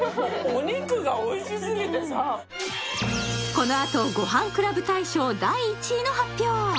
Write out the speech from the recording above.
このあとごはんクラブ大賞第１位の発表